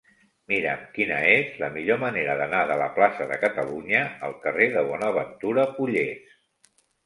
Mira'm quina és la millor manera d'anar de la plaça de Catalunya al carrer de Bonaventura Pollés.